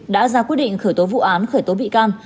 đã ra quyết định khởi tố vụ án khởi tố bị can